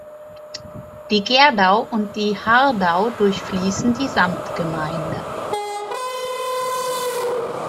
Die Gerdau und die Hardau durchfließen die Samtgemeinde.